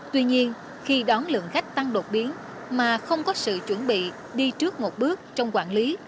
tuy nhiên khi đón lượng khách tăng đột biến mà không có sự chuẩn bị đi trước một bước trong quản lý